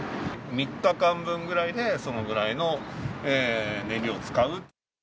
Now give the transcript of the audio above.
３日間分ぐらいで、そのぐらいの燃料を使う。